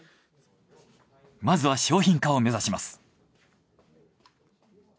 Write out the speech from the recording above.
まずは商品化を目指します。